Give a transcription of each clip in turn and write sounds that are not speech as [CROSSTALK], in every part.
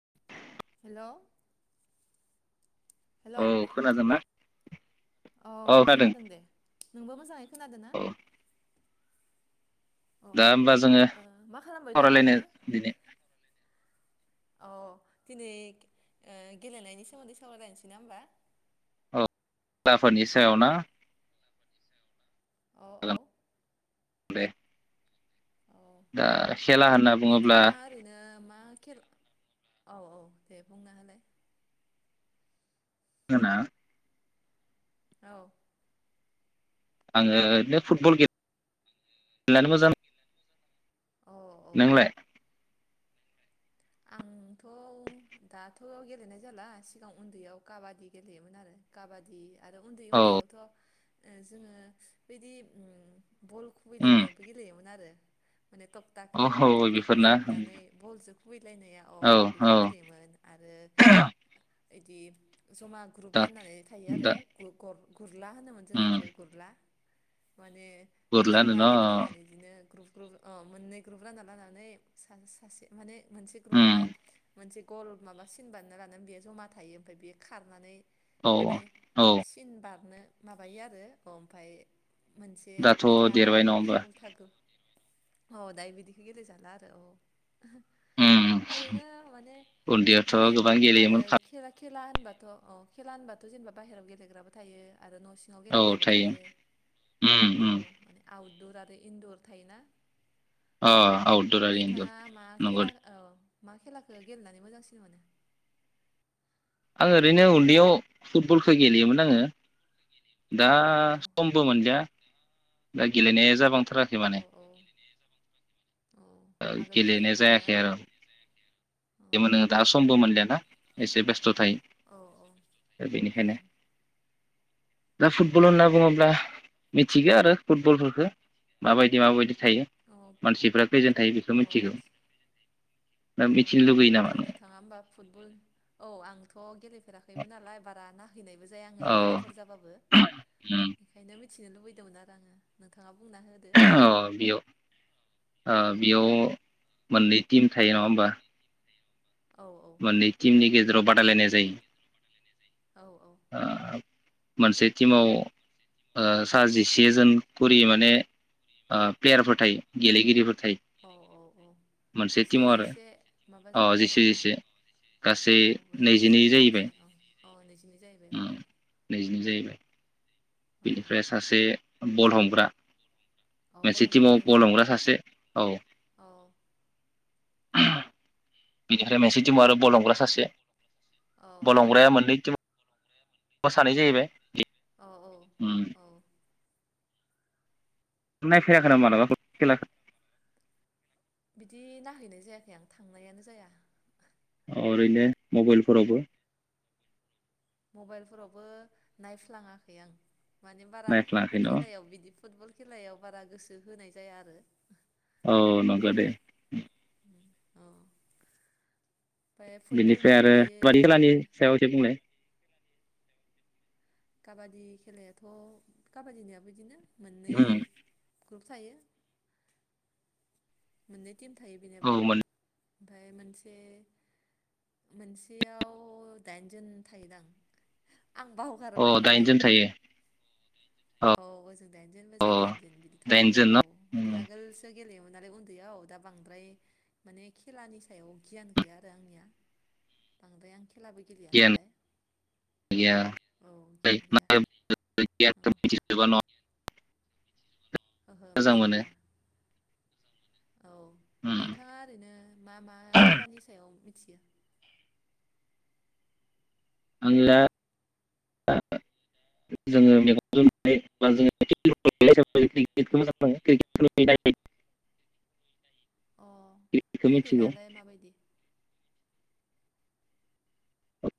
[INAUDIBLE] हेल' hello औ खोनादों ना औ खोनादों दे नोंबो मोजाङै खोनादो ना औ अ अ दा होमबा जोङो ओ मा खालामबाय दं सावरायलायनो नोङो दिनै औ दिनै ओ गेलेनायनि सोमोन्दै सावरायलायनोसै ना होमबा औ खेलाफोरनि सायाव ना औ औ [UNINTELLIGIBLE] दे औ दा खेला होनना बुङोब्ला नोंथाङा ओरैनो मा खेल औ औ दे बुंना होलाय [UNINTELLIGIBLE] औ आङो ओरैनो फुटबल [UNINTELLIGIBLE] मोजां औ औ नोंलाय आंथ' दाथ' गेलेनाय जाला सिगां उन्दैयाव काबादि गेलेयोमोन आरो काबादि आरो उन्दै औ उन्दै आवथ' जोङो बिदि ओम बल उम खुबैलायनायबो गेलेयोमोन आरो माने औ थखथाखो औ थखथाखो बेफोरना जाबनानै बल जो खुबैलायनाया औ अ औ बेखौ गेलेयोमोन आरो बिदि जमा दा ग्रुप राननानै थायो आरो दा ग -गुर -गुरला होनोमोन जों उम बेखौ गुरला माने गुरलानो जमा न लोगो नांनानै बिदिनो ग्रुप ग्रुप अ मोननै ग्रुप रानना लानानै सा-सासे माने मोनसे उम ग्रुपा मोनसे गल माबा सिनबानायना लाना बेयाव जमा थायो ओमफ्राय बे खारनानै औ माने औ सिन बारनो माबायो आरो ओमफाय मोनसे दाथ' उल्था देरबाय नङा माने होमबा उल्था गो औ दायो बिदिखौ गेले जाला आरो औ उम ओरैनो माने माने उन्दैयावथ' गोबां आरो गेलेयोमोन खेलाखौ खे खेला होनबाथ' अ खेला होनबाथ' जेनेबा बाहेरायाव गेलेग्राबो थायो आरो न' सिङाव गेलेग्राबो थायो उम उम औ दुर आरो इन्दुर थायोना अ आउटदुर आरो इन्दुर खेलाखौ औ मा खेलाखौ गेलेनानै मोजांसिन मोनो? आं ओरैनो उन्दैयाव फुटबलखौ गेलेयोमोन आङो दा औ समबो मोनलिया दा गेलेनाया जाबांथाराखै औ माने औ औ आगोल गेलेनाय गेलेयोमोन आरोना जायाखै आरो औ जनो दा समबो मोनलियाना एसे बेस्थ' थायो औ औ दा उम बेनिखायनो दा फुटबल होनना बुङोब्ला मिथिगौ आरो फुटबलफोरखौ माबायदि माबायदि थायो मानसिफ्रा खैजोन थायो बेखौ अ मिथिगौ दा अ मिथिनो लुगैयो नामा दे नों नोंथाङा होमबा फुटबल औ आंथ' [UNINTELLIGIBLE] फेराखैमोन नालाय बारा [UNINTELLIGIBLE] बैनायबो जाया आङो औ खेलाफोर जाबाबो बेखायनो मिथिनो लुबैदोंमोन आरो आङो नोंथाङा बुंना होदो दा अ बेयाव ओ बेयाव मोननै टिम थायो नङा होमबा? औ औ मोनानै टिमनि गेजेराव बादायलायनाय जायो औ औ ओ मोनसे टिमाव सा जिसे जोन खरि माने प्लेयारफोर थायो गेलेगिरिफोर थायो औ औ औ मोनसे जिसे टिमाव आरो जिसे माबा अ जाबाय जिसे आरोना? जिसे गासै औ बोजों जिसे नैजिनै ओजों जाहैबाय जिसे औ जाहैबाय औ ओम नैजिनो जाहैबाय औ बिनिफ्राय सासे बल हमग्रा औ बल मोनसे हमग्रा टिमाव थायोना गल हमग्रा सासे औ [INAUDIBLE] औ बिनिफ्राय मोनसे दङ आरो बल हमग्रा सासे औ औ बल हमग्राया मोननै ति अ सानै जाहैबाय औ हम औ नायफैयाखै मालाबा नों बल खेलाखौ? बिदि नायहैनाय जायाखै आं थांनायानो जाया। अ ओरैनो मबाइलफोरावबो मबाइलफोरावबो नायफ्लाङाखै आं माने बारा नायफ्लाङाखै न खेलायाव बिदि फुटबल खेलायाव बारा गोसो होनाय जाया आरो। औ नंगौ दे औ बिनिफ्राय आरो खलानि खेलानि सायाव एसे बुंनाय। काबादि खेलायाथ' काबादिनाबो बिदिनो मोननै हम ग्रुप थायो मोननै टिम थायो बेनाबो औ मोन ओमफाय मोनसे मोनसेयाव दाइनजोन थायोदां आं अ बावगारबाय माने दाइनजोन थायो औ ओजों दाइनजोन दाइनजोन बिदि थायो औ दाइनजोन न माने आगोलसो गेलेयो गैयाव दा बांद्राय माने खेलानि सायाव गियान गैया आरो आंनिया बांद्राय आं खेलाबो गेलेया गियान नालाय। औ गियान गैया औ [UNINTELLIGIBLE] ओहो मोजां मोनो मिथिजोबा औ उम नोंथाङा ओरैनो मा मा खेलानि सायाव थियो [UNINTELLIGIBLE] अ क्रिकेटखौ मिथिगौ क्रिकेटआलाय माबायदि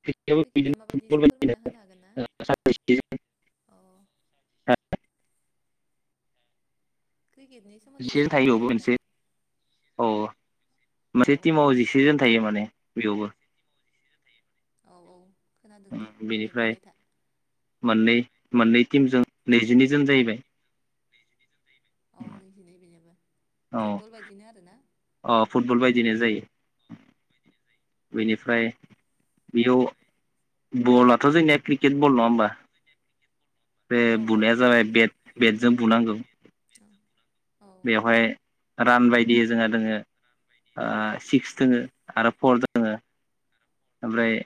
क्रिकेटआबो कैकेटआ बिदिनो माबायदि फुटबल एसे फोरमायना होनो हागोन ना बायदिनो अ क्रिकेटनि सोमोन्दै एसे जिसेजन थायो फोरमायना अबावबा होलाय मोनसे औ मोनसे औ टिमाव जिसेजन थायो माने बेयावनो औ औ खोनादों दे दे बेनिफ्राय बुंबाय था मोननै मोननै टिमजों नैजिनै जोन जाहैबाय औ नैजे नैबनोाबबो औ फुटबल बायदिनो आरोना अ फुटबल औ बायदिनो जायो बेनिफ्राय बेयाव बलाथ' जोंनिया क्रिकेट बल नङा होमबा बे औ औ बुनाया बल जाबाय ओं बेट बेटजों बुनांगौ औ बेवहाय रान बायदि जोंहा दोङो ओ सिक्स दोङो आरो फर दोङो ओमफ्राय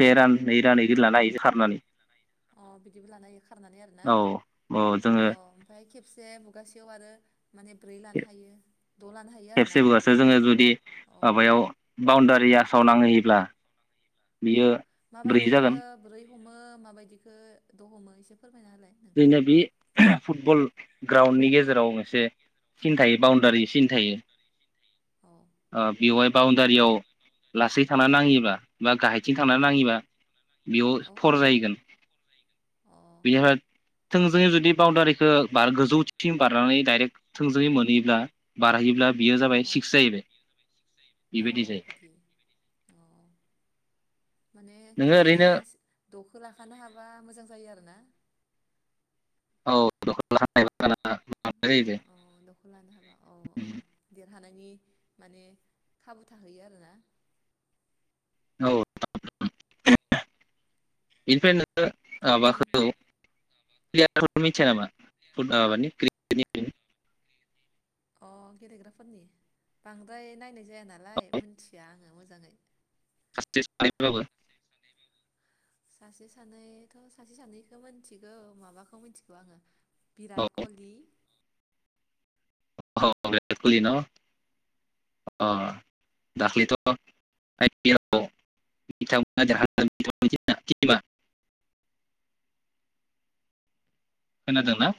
से रान नै रान इदि लानो हायोसो खारनानै अ बिदिबो लानो हायो खारनानै आरोना औ औ जोङो अ ओमफ्राय खेबसे से मुगासेयाव आरो माने ब्रै लानो हायो द' लानो हायो आरोना खेबसेबोआसो जोङो जुदि अ माबायाव बाउणडारिया फासावनांहोयोब्ला अ माबायदिखो बोरै हमो माबायदिखौ द हमो एसे फोर जोंना बे फुटबल ग्राउणडनि गेजेराव एसे सिन थायो बाउण्डारि सिन थायो औ अ बेवहाय बाउण्डारियाव लासै थांना नाङैबा बा गाहायथिं थांना नाङैबा बेयाव औ फर जाहैगोन अ [UNINTELLIGIBLE] थोंजोङै जुदि बाउण्डारिखौ बार गोजौथिं बारनानै डाइरेक्ट थोंजोङै मोनहैब्ला बारहैयोब्ला बेयो जाबाय औ सिक्स जाहैबाय अ बेबायदि जायो बिदि अ माने नोङो खेबसेनो ओरैनो दखौ लाखानो हाब्ला मोजां जायो आरो ना औ दखान [UNINTELLIGIBLE] औ औ दखौ लानो हाबा औ औ देरहानाय म खाबु थाहैयो आरोना औ बेनिफ्रायनो आबाख नों [UNINTELLIGIBLE] प्लेयारफोरखौ मिथिया नामा फुत ओ माबानि क्रिकेटनि अ गेलेग्राफोरनि बांद्राय नायनाय जाया नालाय मिथिया आङो मोजाङै सासे सानैबाबो सासे सानैथ सासे सानैखौ मिथिगौ माबाखौ मिथिगौ आङो औ बिराट कहलि अ बिराट कहलि न अ दाख्लैथ आइ पि एल आव बिथांमोनना [UNINTELLIGIBLE] खोनादोंना